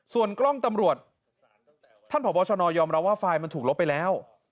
ส่วนกล้องตำรวจท่านผอบชนยอมรับว่าไฟล์มันถูกลบไปแล้ว